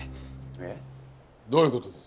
えっ？どういう事です？